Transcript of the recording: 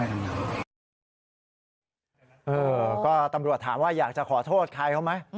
ตำรวจก็ตำรวจถามว่าอยากจะขอโทษใครเขาไหม